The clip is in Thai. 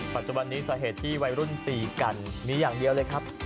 ปัจจุบันนี้สาเหตุที่วัยรุ่นตีกันมีอย่างเดียวเลยครับ